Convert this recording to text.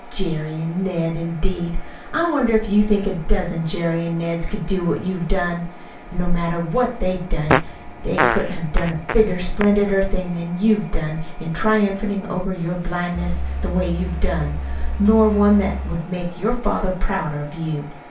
Jerry an' Ned, indeed! I wonder if you think a dozen Jerrys an' Neds could do what you've done! An' no matter what they done, they couldn't have done a bigger, splendider thing than you've done in triumphating over your blindness the way you've done, nor one that would make your father prouder of you!